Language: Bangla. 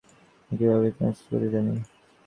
আমি একভাবেই হেস্তনেস্ত করতে জানি।